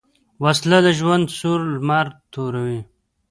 وسله د ژوند سور لمر توروي